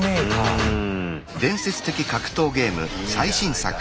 うん？